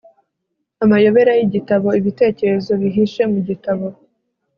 amayobera y'igitabo ibitekerezo bihishe mu gitabo